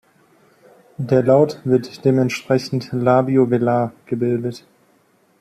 Der Laut wird dementsprechend "labio-velar" gebildet.